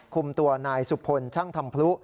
คุมตัวนายสุพลช่างทำพลุ